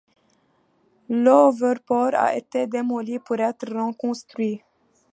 L'Hoverport a été démoli pour être reconstruit.